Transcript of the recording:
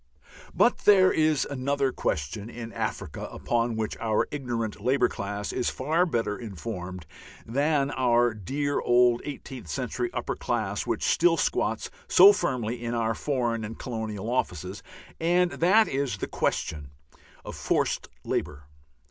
But there is another question in Africa upon which our "ignorant" Labour class is far better informed than our dear old eighteenth century upper class which still squats so firmly in our Foreign and Colonial Offices, and that is the question of forced labour.